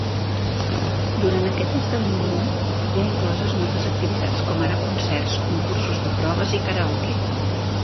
Durant aquest esdeveniment, hi ha incloses moltes activitats com ara concerts, concursos de proves i karaoke.